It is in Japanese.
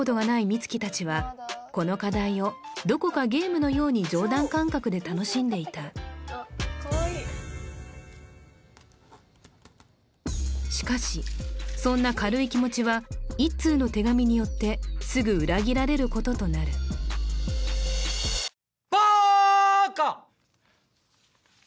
美月達はこの課題をどこかゲームのように冗談感覚で楽しんでいたしかしそんな軽い気持ちは１通の手紙によってすぐ裏切られることとなるバカ！